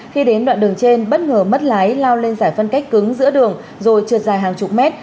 khi đến đoạn đường trên bất ngờ mất lái lao lên giải phân cách cứng giữa đường rồi trượt dài hàng chục mét